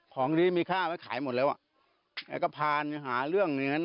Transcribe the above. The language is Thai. ของดีมีค่าก็ขายหมดแล้วอะพาหาเรื่องเงินนี้